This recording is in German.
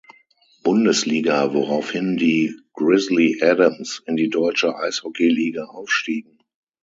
Bundesliga, woraufhin die Grizzly Adams in die Deutsche Eishockey Liga aufstiegen.